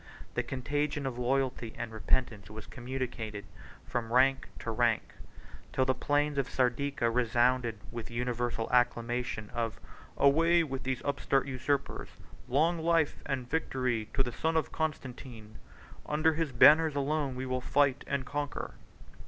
The contagion of loyalty and repentance was communicated from rank to rank; till the plain of Sardica resounded with the universal acclamation of "Away with these upstart usurpers! Long life and victory to the son of Constantine! Under his banners alone we will fight and conquer."